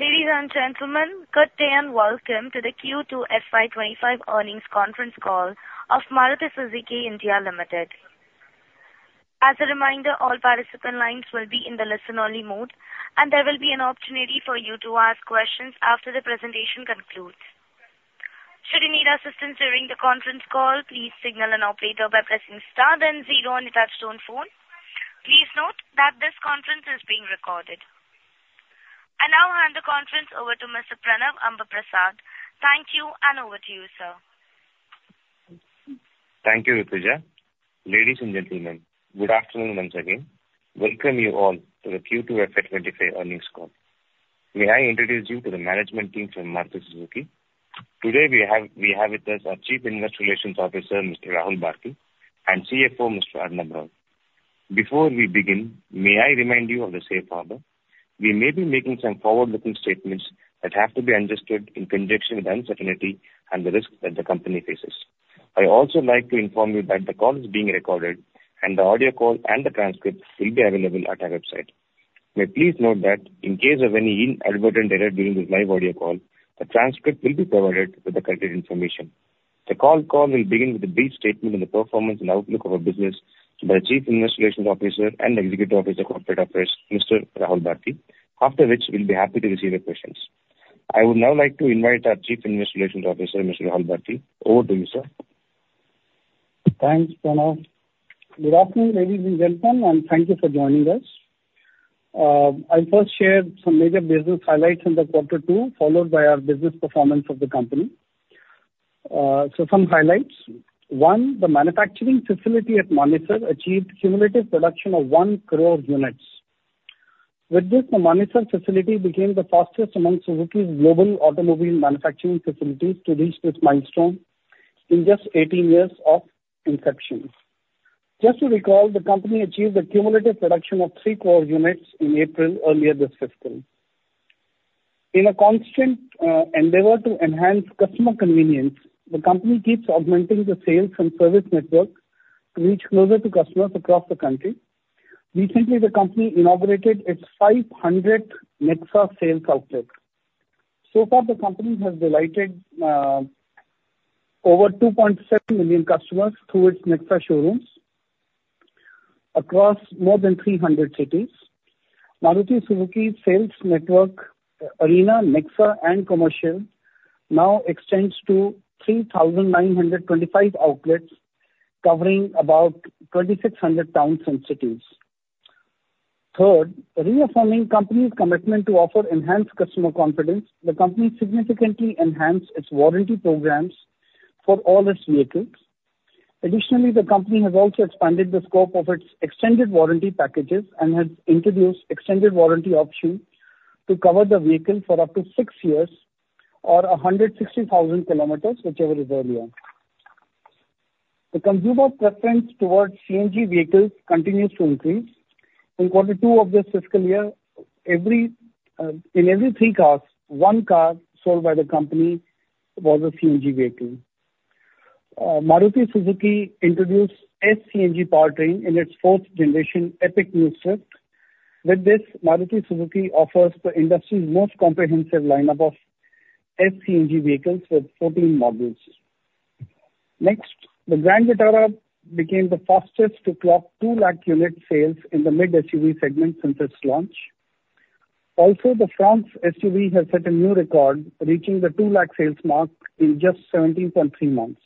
Ladies and gentlemen, good day and welcome to the Q2 FY 2025 Earnings Conference Call of Maruti Suzuki India Limited. As a reminder, all participant lines will be in the listen-only mode, and there will be an opportunity for you to ask questions after the presentation concludes. Should you need assistance during the conference call, please signal an operator by pressing star then zero on the touchtone phone. Please note that this conference is being recorded. I now hand the conference over to Mr. Pranav Ambaprasad. Thank you, and over to you, sir. Thank you, Ritwija. Ladies and gentlemen, good afternoon once again. Welcome you all to the Q2 FY 2025 earnings call. May I introduce you to the management team from Maruti Suzuki? Today, we have with us our Chief Investor Relations Officer, Mr. Rahul Bharti, and CFO, Mr. Arnab Roy. Before we begin, may I remind you of the safe harbor? We may be making some forward-looking statements that have to be understood in conjunction with uncertainty and the risks that the company faces. I also like to inform you that the call is being recorded, and the audio call and the transcript will be available at our website. May please note that in case of any inadvertent error during this live audio call, the transcript will be provided with the correct information. The call will begin with a brief statement on the performance and outlook of our business by the Chief Investor Relations Officer and Executive Officer of Corporate Affairs, Mr. Rahul Bharti, after which we'll be happy to receive your questions. I would now like to invite our Chief Investor Relations Officer, Mr. Rahul Bharti. Over to you, sir. Thanks, Pranav. Good afternoon, ladies and gentlemen, and thank you for joining us. I'll first share some major business highlights in the Q2, followed by our business performance of the company. So, some highlights. One, the manufacturing facility at Manesar achieved cumulative production of one crore units. With this, the Manesar facility became the fastest among Suzuki's global automobile manufacturing facilities to reach this milestone in just 18 years of inception. Just to recall, the company achieved a cumulative production of three crore units in April earlier this fiscal. In a constant endeavor to enhance customer convenience, the company keeps augmenting the sales and service network to reach closer to customers across the country. Recently, the company inaugurated its 500th Nexa sales outlet. So far, the company has delighted over 2.7 million customers through its Nexa showrooms across more than 300 cities. Maruti Suzuki's sales network, Arena, Nexa, and Commercial now extends to 3,925 outlets covering about 2,600 towns and cities. Third, reaffirming the company's commitment to offer enhanced customer confidence, the company significantly enhanced its warranty programs for all its vehicles. Additionally, the company has also expanded the scope of its extended warranty packages and has introduced extended warranty options to cover the vehicle for up to six years or 160,000 kilometers, whichever is earlier. The consumer preference towards CNG vehicles continues to increase. In Q2 of this fiscal year, in every three cars, one car sold by the company was a CNG vehicle. Maruti Suzuki introduced S-CNG powertrain in its fourth-generation Epic New Swift. With this, Maruti Suzuki offers the industry's most comprehensive lineup of S-CNG vehicles with 14 models. Next, the Grand Vitara became the fastest to clock 2,000,000-unit sales in the mid-SUV segment since its launch. Also, the Fronx SUV has set a new record, reaching the 2,000,000 sales mark in just 17.3 months.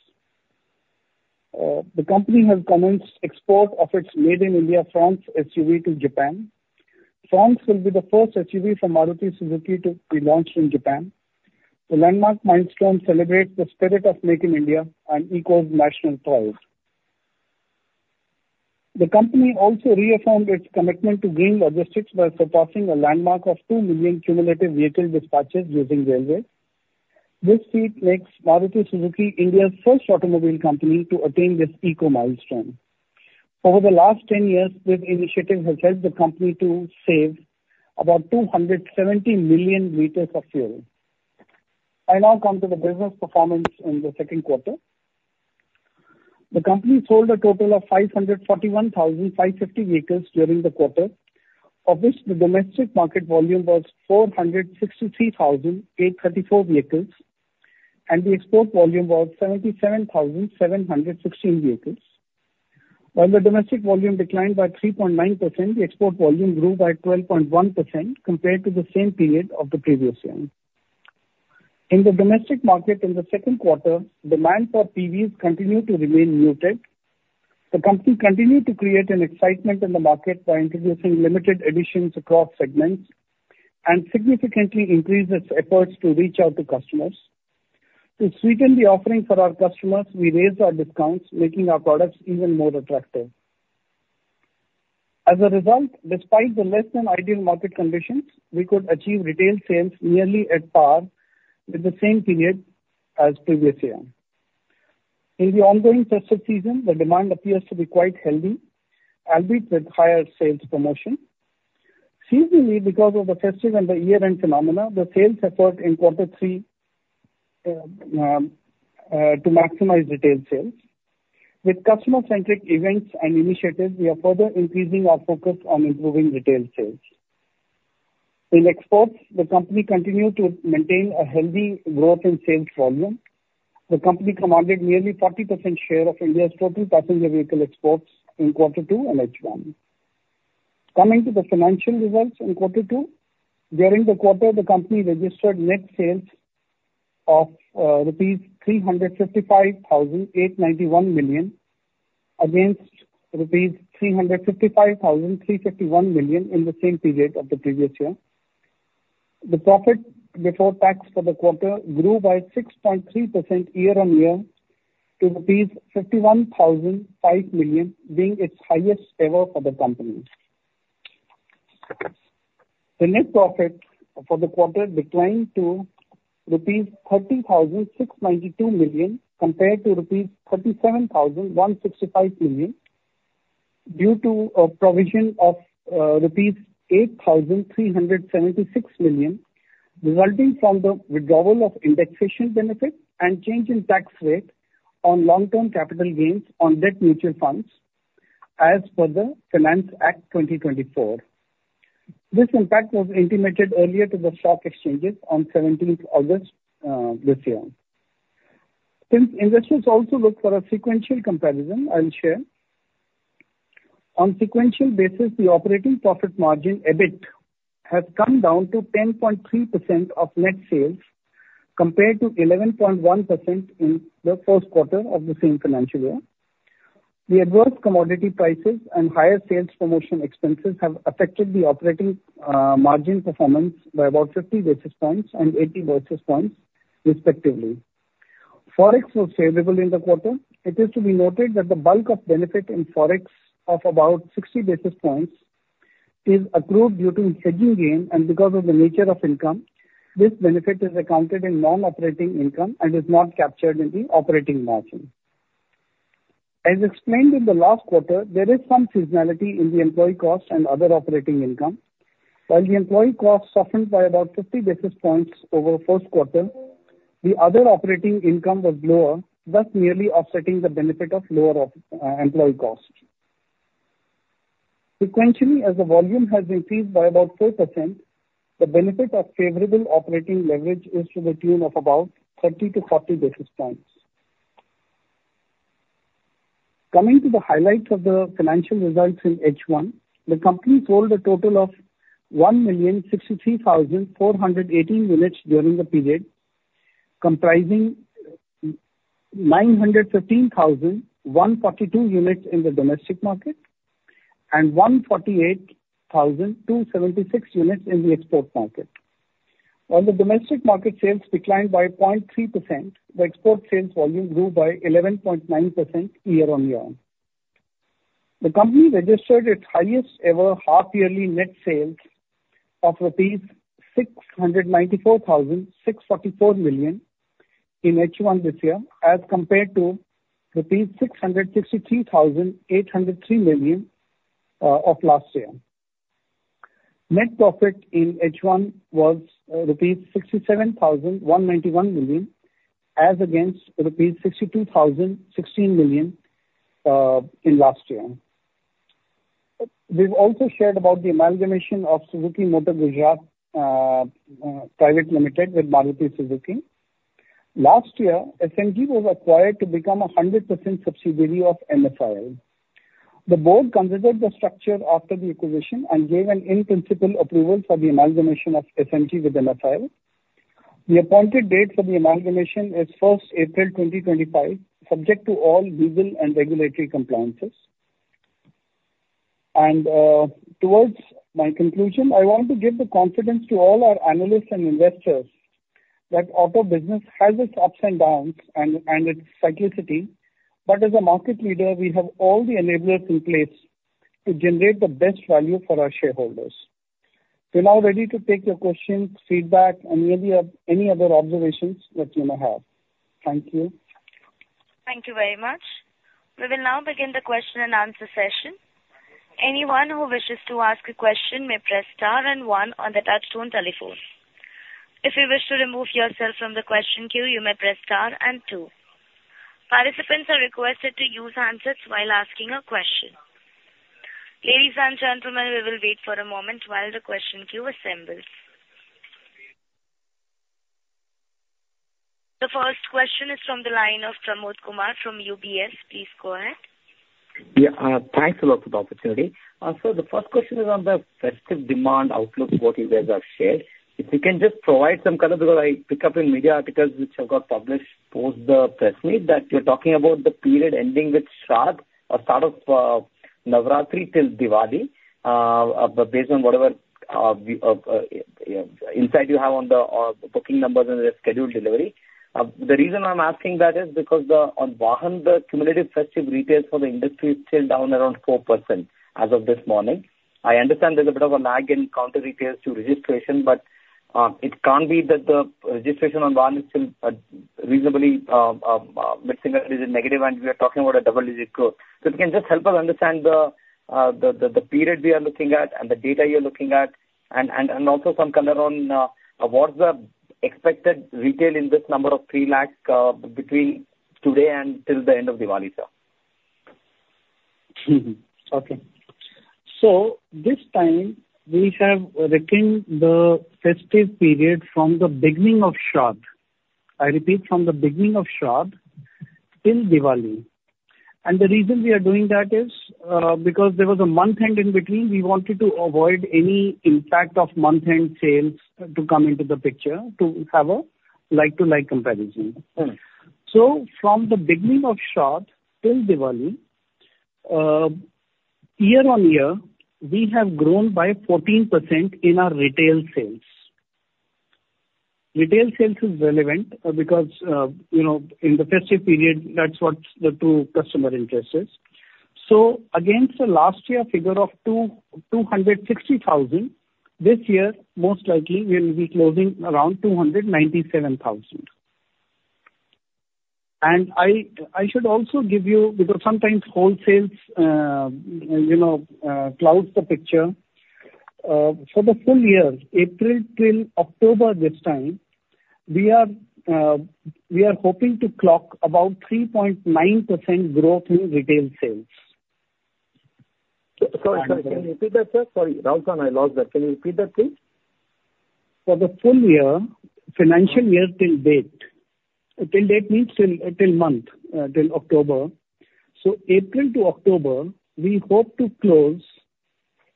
The company has commenced export of its Made in India Fronx SUV to Japan. Fronx will be the first SUV from Maruti Suzuki to be launched in Japan. The landmark milestone celebrates the spirit of Made in India and echoes national pride. The company also reaffirmed its commitment to green logistics by surpassing a landmark of 2 million cumulative vehicle dispatches using railways. This feat makes Maruti Suzuki India's first automobile company to attain this eco milestone. Over the last 10 years, this initiative has helped the company to save about 270 million liters of fuel. I now come to the business performance in the second quarter. The company sold a total of 541,550 vehicles during the quarter, of which the domestic market volume was 463,834 vehicles, and the export volume was 77,716 vehicles. While the domestic volume declined by 3.9%, the export volume grew by 12.1% compared to the same period of the previous year. In the domestic market in the second quarter, demand for PVs continued to remain muted. The company continued to create an excitement in the market by introducing limited editions across segments and significantly increased its efforts to reach out to customers. To sweeten the offering for our customers, we raised our discounts, making our products even more attractive. As a result, despite the less-than-ideal market conditions, we could achieve retail sales nearly at par with the same period as previous year. In the ongoing festive season, the demand appears to be quite healthy, albeit with higher sales promotion. Seasonally, because of the festive and the year-end phenomena, the sales effort in Q3 to maximize retail sales. With customer-centric events and initiatives, we are further increasing our focus on improving retail sales. In exports, the company continued to maintain a healthy growth in sales volume. The company commanded nearly 40% share of India's total passenger vehicle exports in Q2 and H1. Coming to the financial results in Q2, during the quarter, the company registered net sales of rupees 355,891 million against rupees 355,351 million in the same period of the previous year. The profit before tax for the quarter grew by 6.3% year-on-year to rupees 51,005 million, being its highest ever for the company. The net profit for the quarter declined to rupees 30,692 million compared to rupees 37,165 million due to a provision of rupees 8,376 million, resulting from the withdrawal of indexation benefits and change in tax rate on long-term capital gains on debt mutual funds as per the Finance Act 2024. This impact was intimated earlier to the stock exchanges on 17th August this year. Since investors also look for a sequential comparison, I'll share. On a sequential basis, the operating profit margin EBIT has come down to 10.3% of net sales compared to 11.1% in the first quarter of the same financial year. The adverse commodity prices and higher sales promotion expenses have affected the operating margin performance by about 50 basis points and 80 basis points, respectively. Forex was favorable in the quarter. It is to be noted that the bulk of benefit in Forex of about 60 basis points is accrued due to hedging gain and because of the nature of income. This benefit is accounted in non-operating income and is not captured in the operating margin. As explained in the last quarter, there is some seasonality in the employee cost and other operating income. While the employee cost softened by about 50 basis points over the first quarter, the other operating income was lower, thus nearly offsetting the benefit of lower employee cost. Sequentially, as the volume has increased by about 4%, the benefit of favorable operating leverage is to the tune of about 30-40 basis points. Coming to the highlights of the financial results in H1, the company sold a total of 1,063,418 units during the period, comprising 915,142 units in the domestic market and 148,276 units in the export market. While the domestic market sales declined by 0.3%, the export sales volume grew by 11.9% year-on-year. The company registered its highest-ever half-yearly net sales of rupees 694,644 million in H1 this year, as compared to rupees 663,803 million of last year. Net profit in H1 was rupees 67,191 million, as against rupees 62,016 million in last year. We've also shared about the amalgamation of Suzuki Motor Gujarat Private Limited with Maruti Suzuki. Last year, SMG was acquired to become a 100% subsidiary of MSIL. The board considered the structure after the acquisition and gave an in-principle approval for the amalgamation of SMG with MSIL. The appointed date for the amalgamation is 1st April 2025, subject to all legal and regulatory compliances. And towards my conclusion, I want to give the confidence to all our analysts and investors that auto business has its ups and downs and its cyclicity, but as a market leader, we have all the enablers in place to generate the best value for our shareholders. We're now ready to take your questions, feedback, and any other observations that you may have. Thank you. Thank you very much. We will now begin the question and answer session. Anyone who wishes to ask a question may press star and one on the touch-tone telephone. If you wish to remove yourself from the question queue, you may press star and two. Participants are requested to use handsets while asking a question. Ladies and gentlemen, we will wait for a moment while the question queue assembles. The first question is from the line of Pramod Kumar from UBS. Please go ahead. Yeah. Thanks a lot for the opportunity. So the first question is on the festive demand outlook for you guys have shared. If you can just provide some color because I pick up in media articles which have got published post the press meet that you're talking about the period ending with Shradh or start of Navratri till Diwali, based on whatever insight you have on the booking numbers and the scheduled delivery. The reason I'm asking that is because on Vahan, the cumulative festive retail for the industry is still down around 4% as of this morning. I understand there's a bit of a lag in retail to registration, but it can't be that the registration on Vahan is still reasonably mid-single digit negative, and we are talking about a double-digit growth. So if you can just help us understand the period we are looking at and the data you're looking at, and also some color on what's the expected retail in this number of 3 lakh between today and till the end of Diwali, sir? Okay. So this time, we have retained the festive period from the beginning of Shradh. I repeat, from the beginning of Shradh till Diwali. And the reason we are doing that is because there was a month-end in between. We wanted to avoid any impact of month-end sales to come into the picture to have a like-to-like comparison. So from the beginning of Shradh till Diwali, year-on-year, we have grown by 14% in our retail sales. Retail sales is relevant because in the festive period, that's what the true customer interest is. So against the last year figure of 260,000, this year, most likely, we'll be closing around 297,000. And I should also give you because sometimes wholesales clouds the picture. For the full year, April till October this time, we are hoping to clock about 3.9% growth in retail sales. Sorry, can you repeat that, sir? Sorry, Rahul, I lost that. Can you repeat that, please? For the full year, financial year till date, till date means till month, till October. So April to October, we hope to close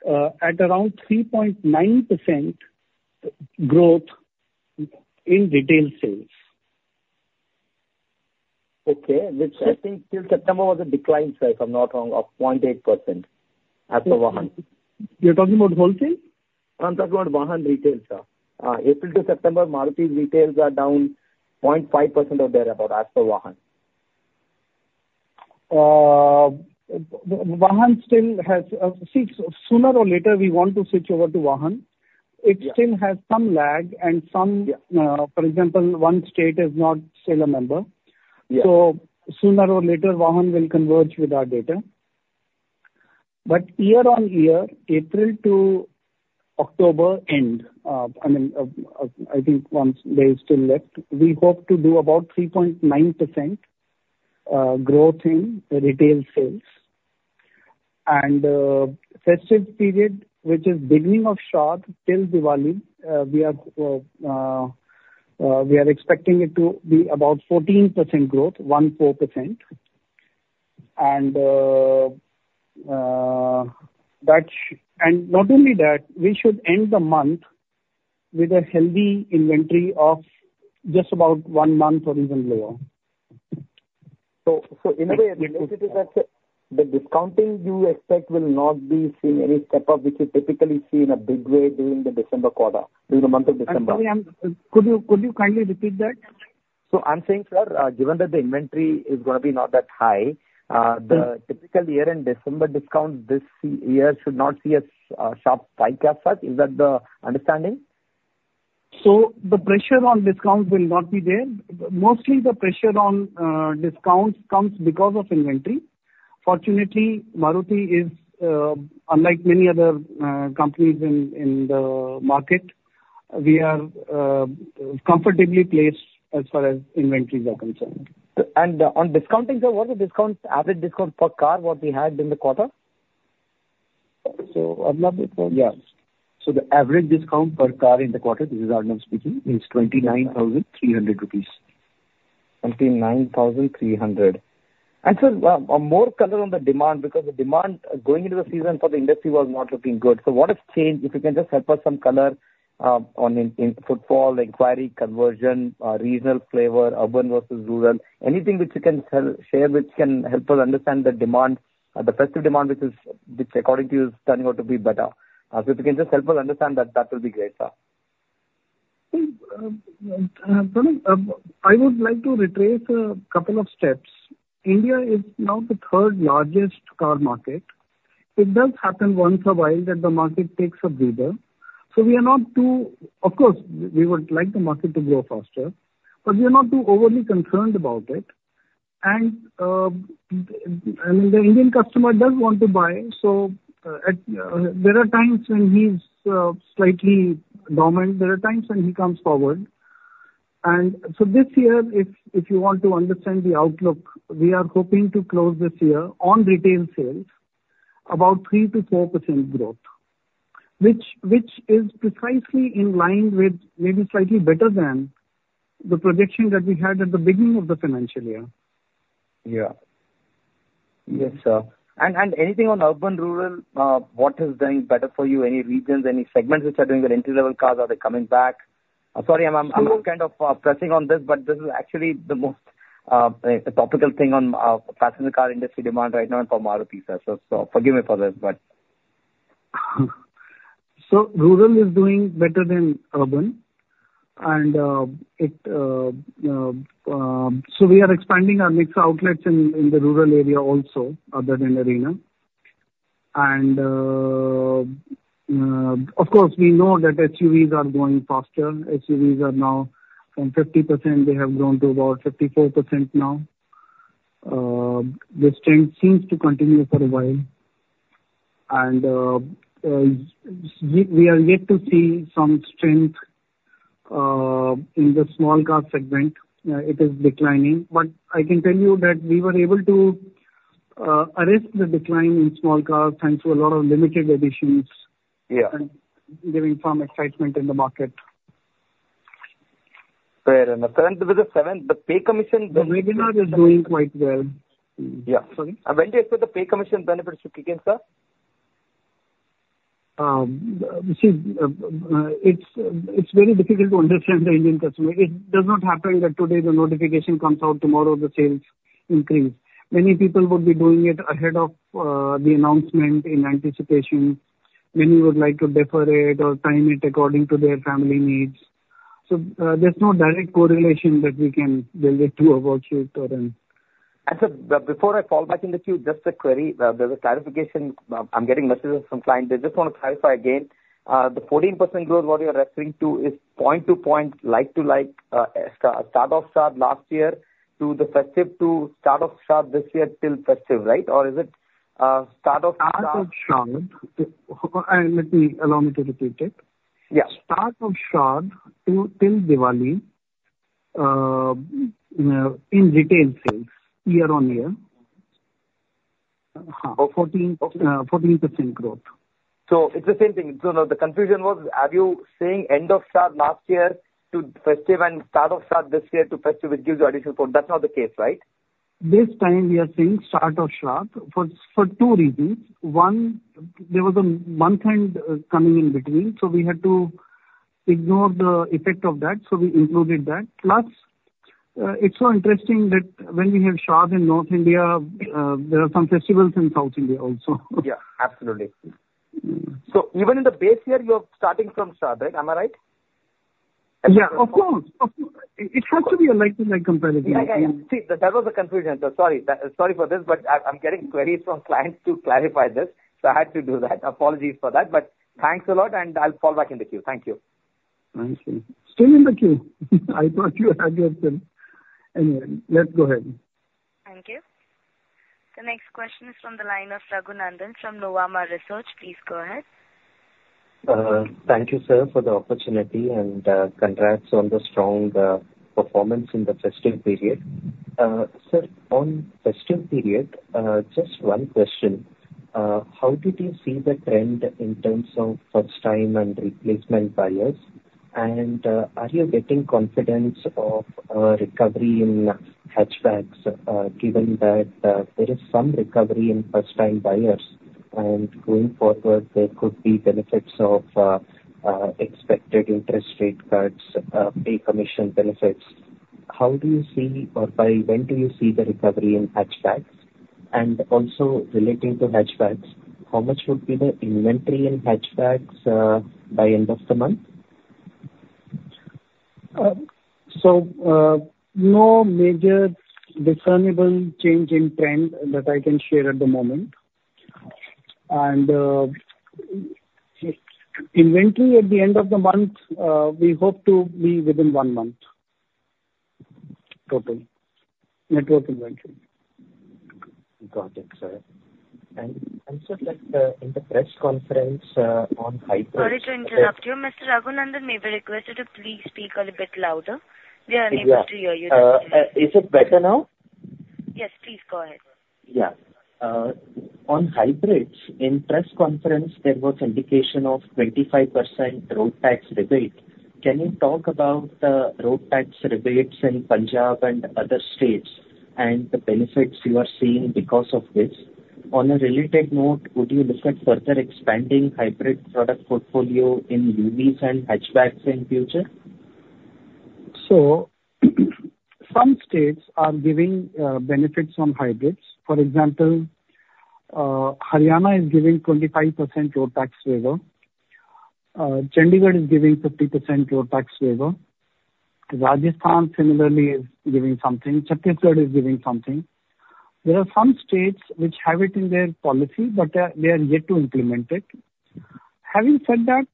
at around 3.9% growth in retail sales. Okay. Which I think till September was a decline, sir, if I'm not wrong, of 0.8% as per Vahan. You're talking about wholesale? I'm talking about Vahan retail, sir. April to September, Maruti retails are down 0.5% or thereabout as per Vahan. Vahan still has, sooner or later, we want to switch over to Vahan. It still has some lag and some, for example, one state is not still a member, so sooner or later, Vahan will converge with our data, but year-on-year, April to October end, I mean, I think once they still left, we hope to do about 3.9% growth in retail sales, and festive period, which is beginning of Shradh till Diwali, we are expecting it to be about 14% growth, 1.4%. And not only that, we should end the month with a healthy inventory of just about one month or even lower. So in a way, it is that the discounting you expect will not be seeing any step up, which you typically see in a big way during the December quarter, during the month of December. Sorry, could you kindly repeat that? So I'm saying, sir, given that the inventory is going to be not that high, the typical year-end December discount this year should not see a sharp spike as such. Is that the understanding? So the pressure on discounts will not be there. Mostly, the pressure on discounts comes because of inventory. Fortunately, Maruti is, unlike many other companies in the market, we are comfortably placed as far as inventories are concerned. On discounting, sir, what is the average discount per car what we had in the quarter? I'd love it for. Yeah. So the average discount per car in the quarter, this is Arnab speaking, is 29,300 rupees. 29,300. And sir, more color on the demand because the demand going into the season for the industry was not looking good. So what has changed? If you can just help us some color on input, call, inquiry, conversion, regional flavor, urban versus rural, anything which you can share which can help us understand the demand, the festive demand, which according to you is turning out to be better. So if you can just help us understand that, that will be great, sir. I would like to retrace a couple of steps. India is now the third largest car market. It does happen once a while that the market takes a breather. So we are not too of course, we would like the market to grow faster, but we are not too overly concerned about it. And I mean, the Indian customer does want to buy. So there are times when he's slightly dormant. There are times when he comes forward. And so this year, if you want to understand the outlook, we are hoping to close this year on retail sales about 3%-4% growth, which is precisely in line with maybe slightly better than the projection that we had at the beginning of the financial year. Yeah. Yes, sir. And anything on urban-rural, what is doing better for you? Any regions, any segments which are doing well? Entry-level cars, are they coming back? Sorry, I'm kind of pressing on this, but this is actually the most topical thing on passenger car industry demand right now for Maruti, sir. So forgive me for this, but. Rural is doing better than urban. And so we are expanding our Nexa outlets in the rural area also, other than Arena. And of course, we know that SUVs are going faster. SUVs are now from 50%; they have grown to about 54% now. This trend seems to continue for a while. And we are yet to see some strength in the small car segment. It is declining. But I can tell you that we were able to arrest the decline in small cars thanks to a lot of limited editions and giving some excitement in the market. Fair. And with the seventh, the Pay Commission. The rural is doing quite well. Yeah. Sorry. When do you expect the Pay Commission benefits to kick in, sir? See, it's very difficult to understand the Indian customer. It does not happen that today the notification comes out, tomorrow the sales increase. Many people would be doing it ahead of the announcement in anticipation. Many would like to defer it or time it according to their family needs. So there's no direct correlation that we can build it to a worksheet or an. Sir, before I fall back in the queue, just a query. There's a clarification. I'm getting messages from clients. They just want to clarify again. The 14% growth, what you're referring to, is point-to-point, like-to-like, start of Shradh last year to the festive to start of Shradh this year till festive, right? Or is it start of Shradh? Start of Shradh. Let me allow me to repeat it. Yeah. Start of Shradh till Diwali in retail sales year-on-year for 14% growth. So it's the same thing. So the confusion was, are you saying end of Shradh last year to festive and start of Shradh this year to festive, which gives you additional growth? That's not the case, right? This time, we are seeing start of Shradh for two reasons. One, there was a month-end coming in between. So we had to ignore the effect of that. So we included that. Plus, it's so interesting that when we have Shradh in North India, there are some festivals in South India also. Yeah. Absolutely. So even in the base year, you're starting from Shradh, right? Am I right? Yeah. Of course. It has to be a like-to-like comparison. See, that was the confusion. So sorry. Sorry for this, but I'm getting queries from clients to clarify this. So I had to do that. Apologies for that. But thanks a lot, and I'll fall back in the queue. Thank you. Thank you. Still in the queue. I thought you had yourself. Anyway, let's go ahead. Thank you. The next question is from the line of Raghunandan from Nuvama Research. Please go ahead. Thank you, sir, for the opportunity and congrats on the strong performance in the festive period. Sir, on festive period, just one question. How did you see the trend in terms of first-time and replacement buyers? And are you getting confidence of recovery in hatchbacks, given that there is some recovery in first-time buyers? And going forward, there could be benefits of expected interest rate cuts, Pay Commission benefits. How do you see, or by when do you see the recovery in hatchbacks? And also, relating to hatchbacks, how much would be the inventory in hatchbacks by end of the month? So no major discernible change in trend that I can share at the moment. And inventory at the end of the month, we hope to be within one month total. Network inventory. Got it, sir. And sir, in the press conference on hybrids. Sorry to interrupt you. Mr. Raghunandan may be requested to please speak a little bit louder. We are unable to hear you. Is it better now? Yes, please go ahead. Yeah. On hybrids, in press conference, there was indication of 25% road tax rebate. Can you talk about the road tax rebates in Punjab and other states and the benefits you are seeing because of this? On a related note, would you look at further expanding hybrid product portfolio in UVs and hatchbacks in future? So some states are giving benefits on hybrids. For example, Haryana is giving 25% road tax waiver. Chandigarh is giving 50% road tax waiver. Rajasthan similarly is giving something. Chhattisgarh is giving something. There are some states which have it in their policy, but they are yet to implement it. Having said that,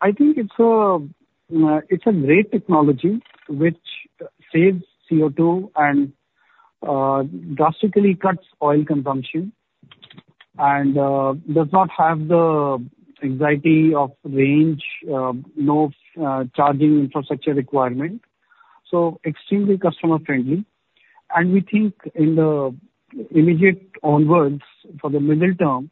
I think it's a great technology which saves CO2 and drastically cuts oil consumption and does not have the anxiety of range, no charging infrastructure requirement. So extremely customer-friendly. And we think in the immediate onwards for the middle term,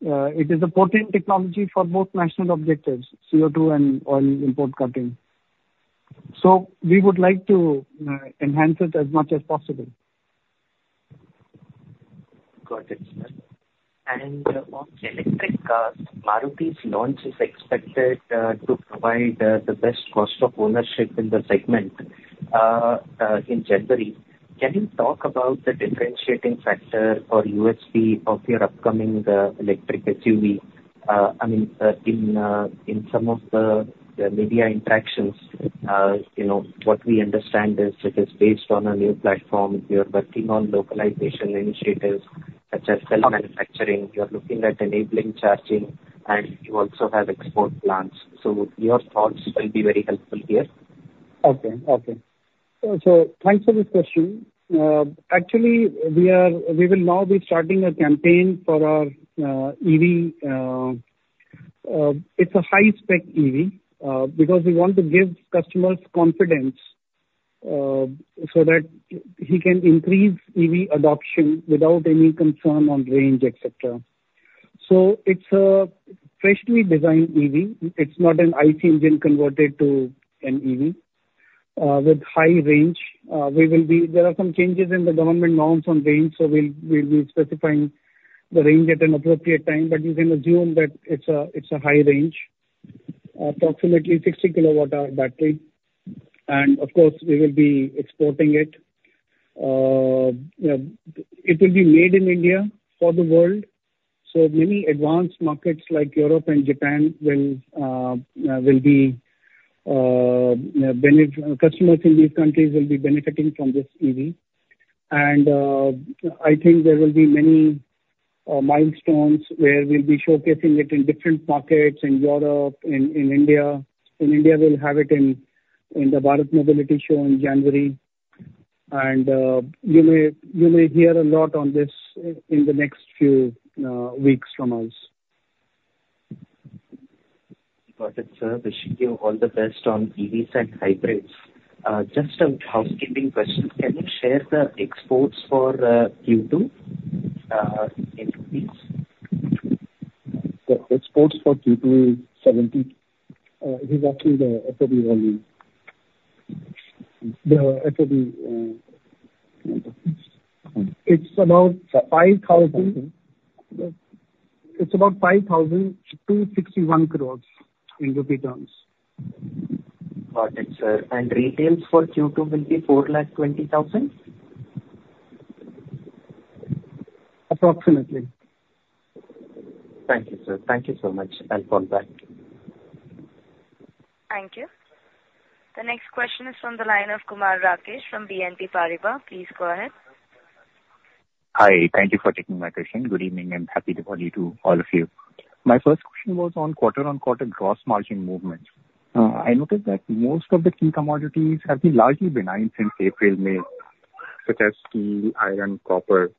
it is a potent technology for both national objectives, CO2 and oil import cutting. So we would like to enhance it as much as possible. Got it, sir. And on electric cars, Maruti's launch is expected to provide the best cost of ownership in the segment in January. Can you talk about the differentiating factor or USP of your upcoming electric SUV? I mean, in some of the media interactions, what we understand is it is based on a new platform. You're working on localization initiatives such as cell manufacturing. You're looking at enabling charging, and you also have export plans. So your thoughts will be very helpful here. Okay. So thanks for this question. Actually, we will now be starting a campaign for our EV. It's a high-spec EV because we want to give customers confidence so that he can increase EV adoption without any concern on range, etc. So it's a freshly designed EV. It's not an ICE engine converted to an EV with high range. There are some changes in the government norms on range, so we'll be specifying the range at an appropriate time. But you can assume that it's a high range, approximately 60-kilowatt-hour battery. And of course, we will be exporting it. It will be made in India for the world. So many advanced markets like Europe and Japan. Customers in these countries will be benefiting from this EV. And I think there will be many milestones where we'll be showcasing it in different markets in Europe, in India. In India, we'll have it in the Bharat Mobility Global Expo in January. And you may hear a lot on this in the next few weeks from us. Got it, sir. Wishing you all the best on EVs and hybrids. Just a housekeeping question. Can you share the exports for Q2 in weeks? The exports for Q2 is 70. It is actually the FOB volume. It's about 5,000. It's about 5,000 which is 61 crores in Rupee terms. Got it, sir. And retails for Q2 will be 420,000? Approximately. Thank you, sir. Thank you so much. I'll fall back. Thank you. The next question is from the line of Kumar Rakesh from BNP Paribas. Please go ahead. Hi. Thank you for taking my question. Good evening. I'm happy to call you too, all of you. My first question was on quarter-on-quarter gross margin movements. I noticed that most of the key commodities have been largely benign since April-May, such as steel, iron, copper.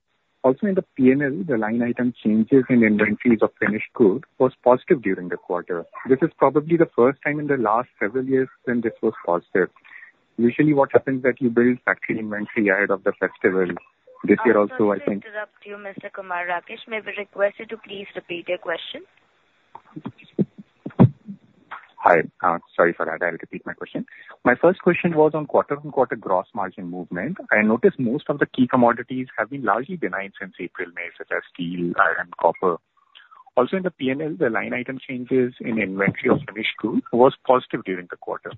Also, in the P&L, the line item changes in inventories of finished goods was positive during the quarter. This is probably the first time in the last several years when this was positive. Usually, what happens is that you build factory inventory ahead of the festival. This year also, I think. We interrupt you, Mr. Kumar Rakesh. May we request you to please repeat your question. Hi. Sorry for that. I'll repeat my question. My first question was on quarter-on-quarter gross margin movement. I noticed most of the key commodities have been largely benign since April-May, such as steel, iron, copper. Also, in the P&L, the line item changes in inventory of finished goods was positive during the quarter.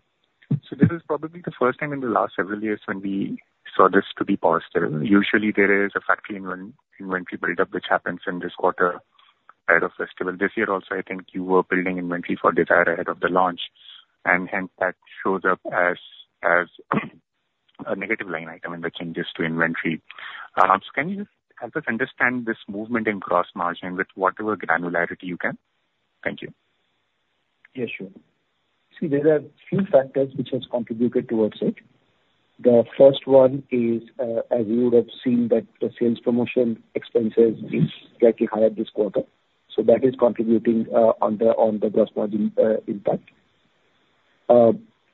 So this is probably the first time in the last several years when we saw this to be positive. Usually, there is a factory inventory build-up which happens in this quarter ahead of festival. This year also, I think you were building inventory for Dzire ahead of the launch. And hence, that shows up as a negative line item in the changes to inventory. So can you help us understand this movement in gross margin with whatever granularity you can? Thank you. Yes, sure. See, there are a few factors which have contributed towards it. The first one is, as you would have seen, that the sales promotion expenses is slightly higher this quarter. So that is contributing on the gross margin impact.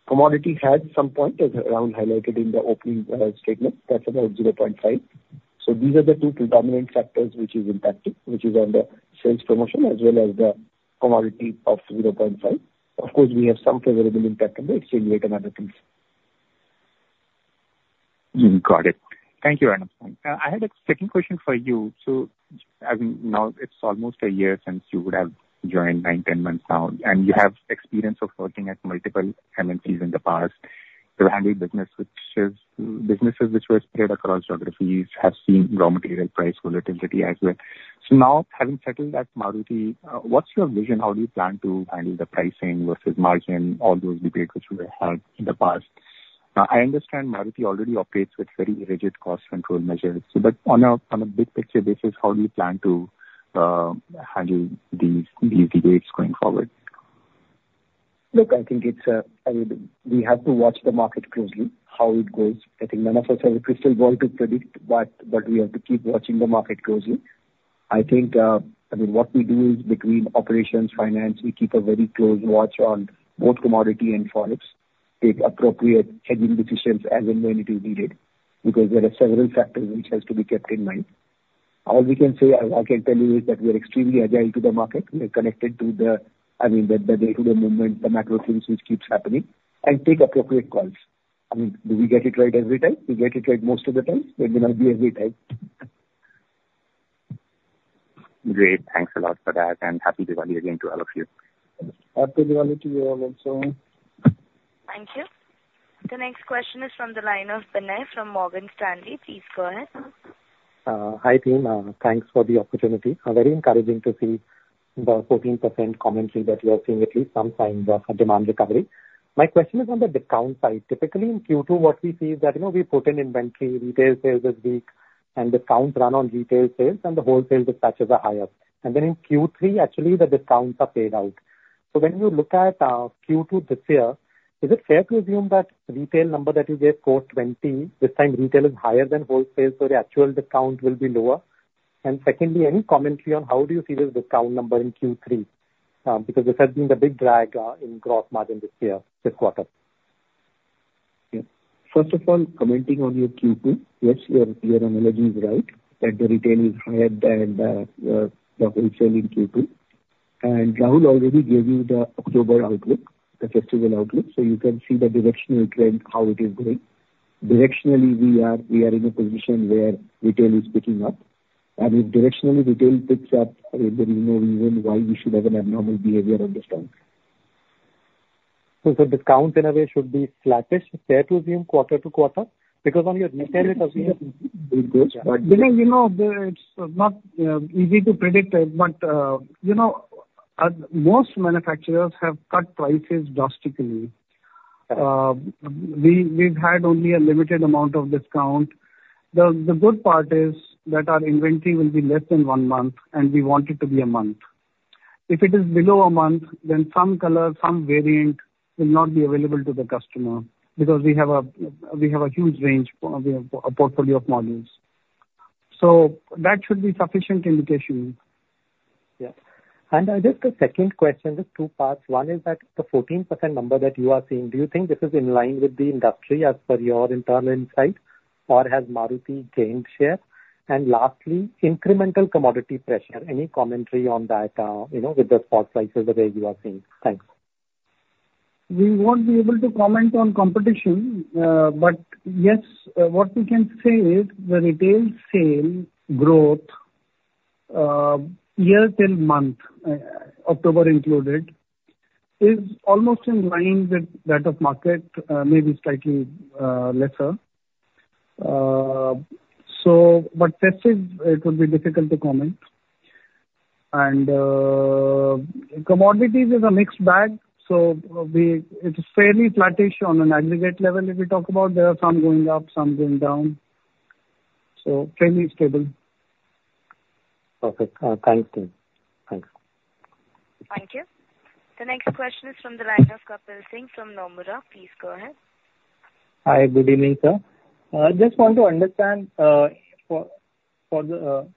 Commodity had some point around highlighted in the opening statement. That's about 0.5. So these are the two predominant factors which is impacted, which is on the sales promotion as well as the commodity of 0.5. Of course, we have some favorable impact on the exchange rate and other things. Got it. Thank you, Arnab. I had a second question for you. So I mean, now it's almost a year since you would have joined, nine, 10 months now. And you have experience of working at multiple MNCs in the past. You've handled businesses which were spread across geographies, have seen raw material price volatility as well. So now, having settled at Maruti, what's your vision? How do you plan to handle the pricing versus margin, all those debates which we have had in the past? I understand Maruti already operates with very rigid cost control measures. But on a big picture basis, how do you plan to handle these debates going forward? Look, I think we have to watch the market closely, how it goes. I think none of us have a crystal ball to predict, but we have to keep watching the market closely. I think, I mean, what we do is between operations, finance, we keep a very close watch on both commodity and forex, take appropriate hedging decisions as and when it is needed because there are several factors which have to be kept in mind. All we can say, I can tell you, is that we are extremely agile to the market. We are connected to the, I mean, the day-to-day movement, the macro things which keeps happening, and take appropriate calls. I mean, do we get it right every time? We get it right most of the time. It may not be every time. Great. Thanks a lot for that. And happy Diwali again to all of you. Happy Diwali to you all also. Thank you. The next question is from the line of Binay from Morgan Stanley. Please go ahead. Hi team. Thanks for the opportunity. Very encouraging to see the 14% commentary that we are seeing at least some signs of demand recovery. My question is on the discount side. Typically, in Q2, what we see is that we put in inventory, retail sales this week, and discounts run on retail sales, and the wholesale dispatches are higher. And then in Q3, actually, the discounts are paid out. So when you look at Q2 this year, is it fair to assume that retail number that you gave Q2 20, this time retail is higher than wholesale, so the actual discount will be lower? And secondly, any commentary on how do you see this discount number in Q3? Because this has been the big drag in gross margin this year, this quarter. First of all, commenting on your Q2, yes, your analogy is right, that the retail is higher than the wholesale in Q2. And Rahul already gave you the October outlook, the festival outlook, so you can see the directional trend, how it is going. Directionally, we are in a position where retail is picking up. And if directionally retail picks up, there is no reason why we should have an abnormal behavior on discounts. So the discounts in a way should be flatish. Fair to assume quarter to quarter? Because on your retail it assumes. It goes back. You know, it's not easy to predict, but most manufacturers have cut prices drastically. We've had only a limited amount of discount. The good part is that our inventory will be less than one month, and we want it to be a month. If it is below a month, then some color, some variant will not be available to the customer because we have a huge range, a portfolio of models. So that should be sufficient indication. Yeah. And just a second question, just two parts. One is that the 14% number that you are seeing, do you think this is in line with the industry as per your internal insight, or has Maruti gained share? And lastly, incremental commodity pressure, any commentary on that with the spot prices the way you are seeing? Thanks. We won't be able to comment on competition, but yes, what we can say is the retail sale growth year till month, October included, is almost in line with that of market, maybe slightly lesser. But that said, it would be difficult to comment. And commodities is a mixed bag, so it's fairly flattish on an aggregate level if we talk about. There are some going up, some going down. So fairly stable. Perfect. Thanks, team. Thanks. Thank you. The next question is from the line of Kapil Singh from Nomura. Please go ahead. Hi. Good evening, sir. I just want to understand for the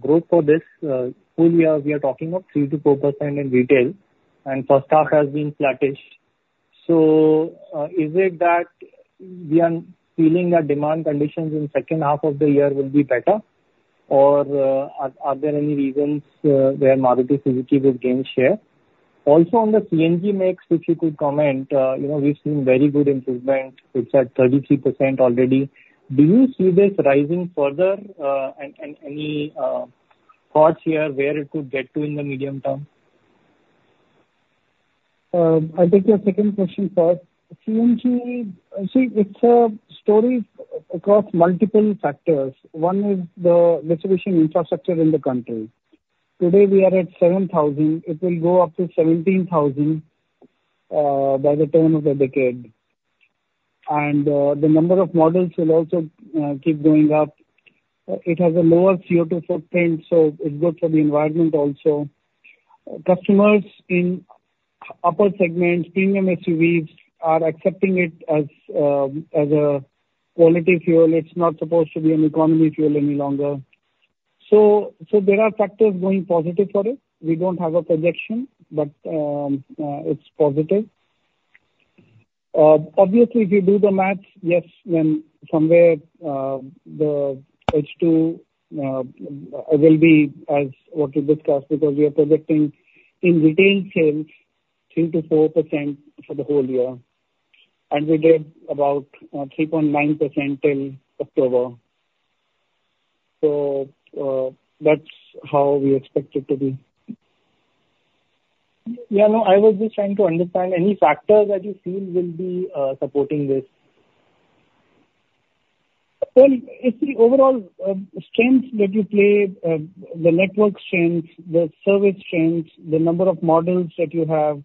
growth for this, who we are talking of, 3%-4% in retail, and for stock has been flattish, so is it that we are feeling that demand conditions in second half of the year will be better, or are there any reasons where Maruti physically will gain share? Also on the CNG mix, if you could comment, we've seen very good improvement. It's at 33% already. Do you see this rising further, and any thoughts here where it could get to in the medium term? I take your second question, sir. CNG, see, it's a story across multiple factors. One is the distribution infrastructure in the country. Today, we are at 7,000. It will go up to 17,000 by the turn of the decade. And the number of models will also keep going up. It has a lower CO2 footprint, so it's good for the environment also. Customers in upper segments, premium SUVs, are accepting it as a quality fuel. It's not supposed to be an economy fuel any longer. So there are factors going positive for it. We don't have a projection, but it's positive. Obviously, if you do the math, yes, then somewhere the H2 will be as what you discussed because we are projecting in retail sales 3%-4% for the whole year. And we did about 3.9% till October. So that's how we expect it to be. Yeah, no, I was just trying to understand any factors that you feel will be supporting this. Well, it's the overall strength that you play, the network strength, the service strength, the number of models that you have,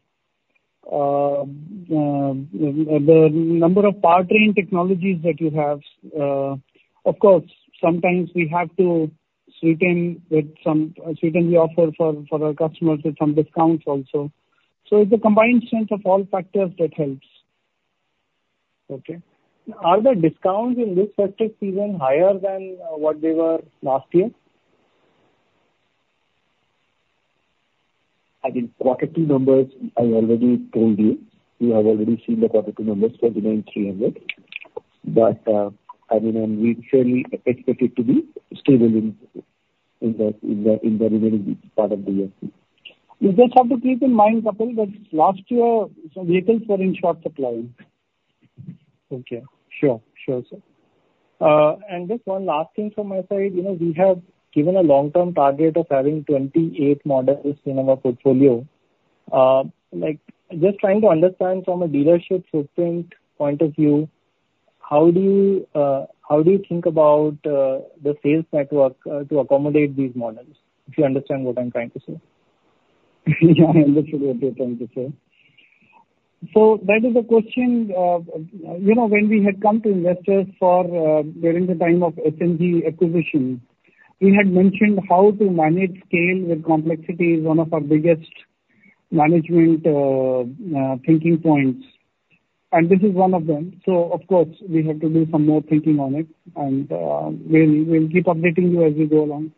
the number of powertrain technologies that you have. Of course, sometimes we have to sweeten the offer for our customers with some discounts also. So it's a combined strength of all factors that helps. Okay. Are the discounts in this fiscal season higher than what they were last year? I mean, quarter two numbers, I already told you. You have already seen the quarter two numbers, 29,300. But I mean, we fairly expect it to be stable in the remaining part of the year. You just have to keep in mind, Kapil, that last year, vehicles were in short supply. Okay. Sure. Sure, sir. And just one last thing from my side. We have given a long-term target of having 28 models in our portfolio. Just trying to understand from a dealership footprint point of view, how do you think about the sales network to accommodate these models? If you understand what I'm trying to say. Yeah, I understood what you're trying to say, so that is a question. When we had come to investors for during the time of SMG acquisition, we had mentioned how to manage scale with complexity is one of our biggest management thinking points, and this is one of them, so of course, we have to do some more thinking on it, and we'll keep updating you as we go along.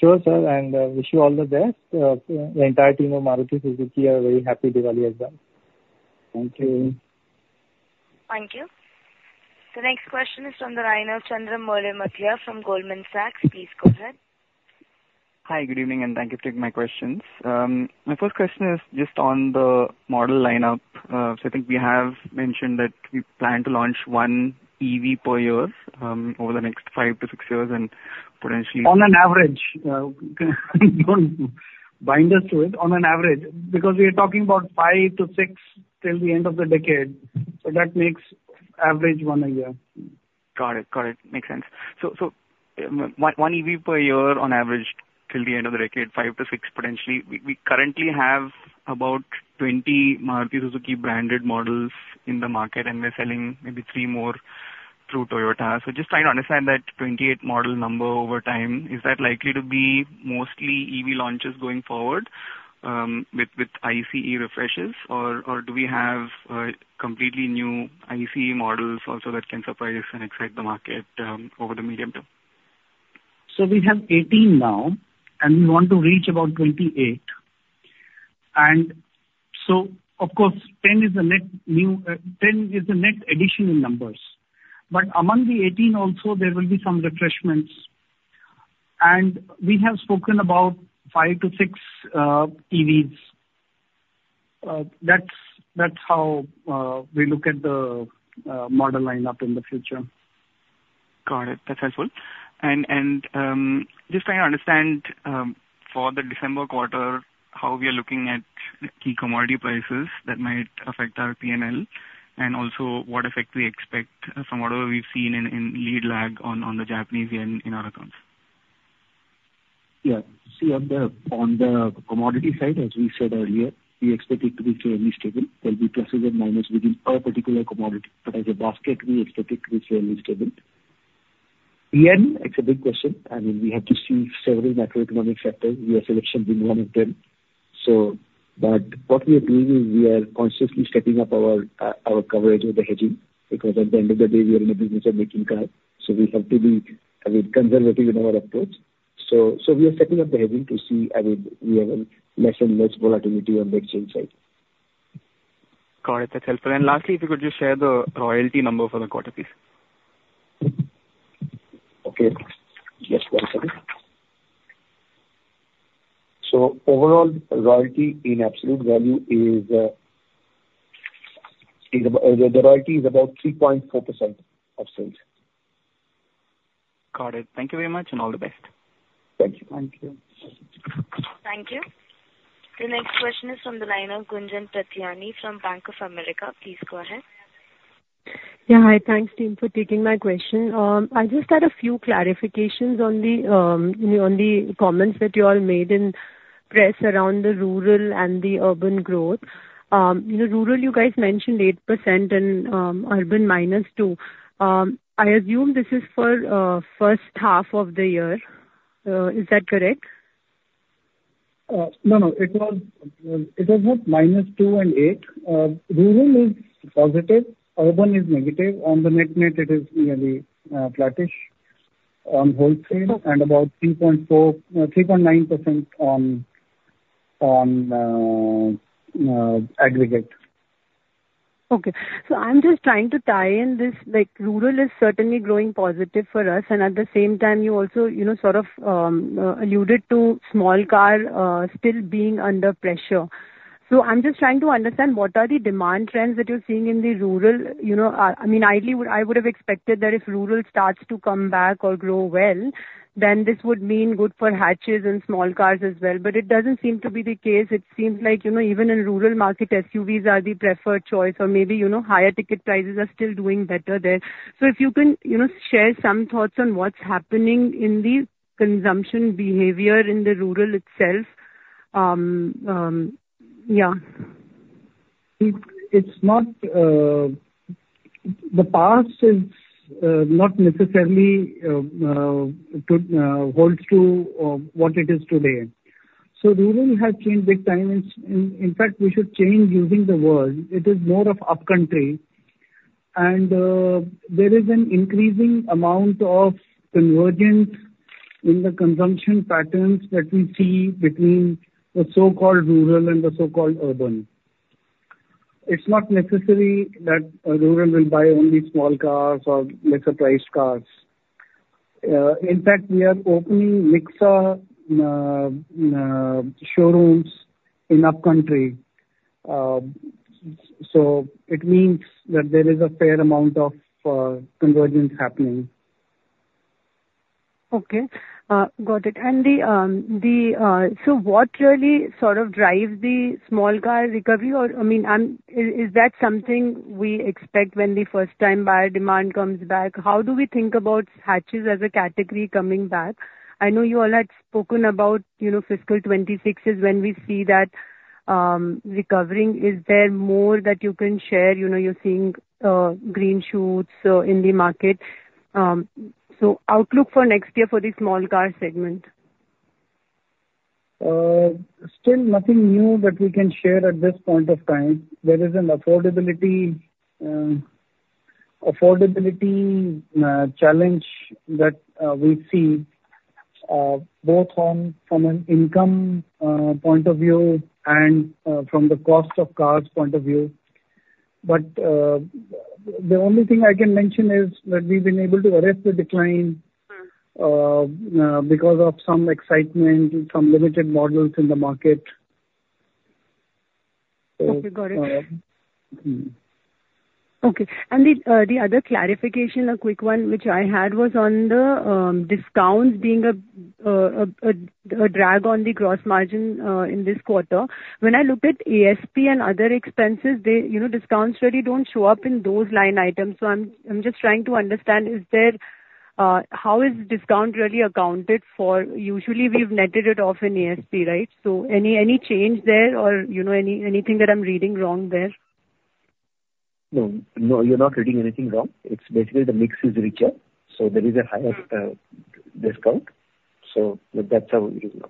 Sure, sir, and wish you all the best. The entire team of Maruti Suzuki wishes you a very happy Diwali as well. Thank you. Thank you. The next question is from the line of Chandramouli Muthiah from Goldman Sachs. Please go ahead. Hi, good evening, and thank you for taking my questions. My first question is just on the model lineup. So I think we have mentioned that we plan to launch one EV per year over the next five to six years and potentially. On an average, don't bind us to it. Because we are talking about five to six till the end of the decade, so that makes average one a year. Got it. Got it. Makes sense. So one EV per year on average till the end of the decade, five to six potentially. We currently have about 20 Maruti Suzuki branded models in the market, and we're selling maybe three more through Toyota. So just trying to understand that 28 model number over time, is that likely to be mostly EV launches going forward with ICE refreshes, or do we have completely new ICE models also that can surprise and excite the market over the medium term? So we have 18 now, and we want to reach about 28. And so of course, 10 is a net new 10 is a net addition in numbers. But among the 18 also, there will be some refreshments. And we have spoken about five to six EVs. That's how we look at the model lineup in the future. Got it. That's helpful. And just trying to understand for the December quarter, how we are looking at key commodity prices that might affect our P&L, and also what effect we expect from whatever we've seen in lead lag on the Japanese yen in our accounts. Yeah. See, on the commodity side, as we said earlier, we expect it to be fairly stable. There'll be pluses and minuses within a particular commodity. But as a basket, we expect it to be fairly stable. Yen, it's a big question. I mean, we have to see several macroeconomic factors. U.S. elections being one of them. But what we are doing is we are consciously stepping up our coverage with the hedging because at the end of the day, we are in a business of making cars. So we are setting up the hedging to see if we have less and less volatility on the exchange side. Got it. That's helpful. And lastly, if you could just share the royalty number for the quarter, please. Overall royalty in absolute value is about 3.4% of sales. Got it. Thank you very much and all the best. Thank you. Thank you. Thank you. The next question is from the line of Gunjan Prithyani from Bank of America. Please go ahead. Yeah, hi. Thanks, team, for taking my question. I just had a few clarifications on the comments that you all made in press around the rural and the urban growth. Rural, you guys mentioned 8% and urban -2%. I assume this is for first half of the year. Is that correct? No, no. It was not -2% and 8%. Rural is positive. Urban is negative. On the net net, it is nearly flattish on wholesale and about 3.9% on aggregate. Okay. So I'm just trying to tie in this. Rural is certainly growing positive for us. And at the same time, you also sort of alluded to small car still being under pressure. So I'm just trying to understand what are the demand trends that you're seeing in the rural? I mean, ideally, I would have expected that if rural starts to come back or grow well, then this would mean good for hatches and small cars as well. But it doesn't seem to be the case. It seems like even in rural market, SUVs are the preferred choice, or maybe higher ticket prices are still doing better there. So if you can share some thoughts on what's happening in the consumption behavior in the rural itself. Yeah. The past is not necessarily holds true of what it is today, so rural has changed big time. In fact, we should change using the word. It is more of upcountry. And there is an increasing amount of convergence in the consumption patterns that we see between the so-called rural and the so-called urban. It's not necessary that rural will buy only small cars or lesser-priced cars. In fact, we are opening Nexa showrooms in upcountry, so it means that there is a fair amount of convergence happening. Okay. Got it. And so what really sort of drives the small car recovery? I mean, is that something we expect when the first-time buyer demand comes back? How do we think about hatches as a category coming back? I know you all had spoken about fiscal 2026 is when we see that recovering. Is there more that you can share? You're seeing green shoots in the market. So outlook for next year for the small car segment? Still nothing new that we can share at this point of time. There is an affordability challenge that we see both from an income point of view and from the cost of cars point of view. But the only thing I can mention is that we've been able to arrest the decline because of some excitement, some limited models in the market. Okay. Got it. Okay. And the other clarification, a quick one, which I had was on the discounts being a drag on the gross margin in this quarter. When I look at ASP and other expenses, discounts really don't show up in those line items. So I'm just trying to understand, how is discount really accounted for? Usually, we've netted it off in ASP, right? So any change there or anything that I'm reading wrong there? No, no. You're not reading anything wrong. It's basically the mix is richer. So there is a higher discount. So that's how it is now.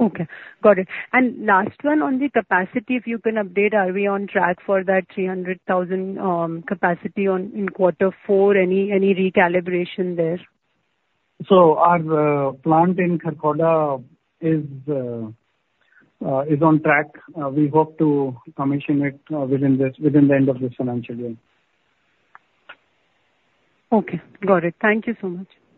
Okay. Got it, and last one on the capacity, if you can update, are we on track for that 300,000 capacity in quarter four? Any recalibration there? Our plant in Kharkhoda is on track. We hope to commission it within the end of this financial year. Okay. Got it. Thank you so much.